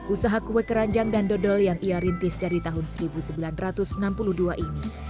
usaha kue keranjang dan dodol yang ia rintis dari tahun seribu sembilan ratus enam puluh dua ini